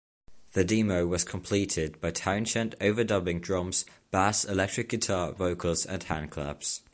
The demo was completed by Townshend overdubbing drums, bass, electric guitar, vocals and handclaps.